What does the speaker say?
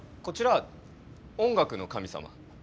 こちら音楽の神様。